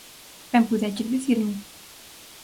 _Ben puideches dicirmo.